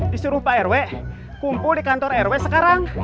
disuruh pak rw kumpul di kantor rw sekarang